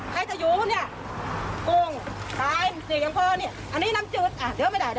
ใครจะอยู่เนี่ย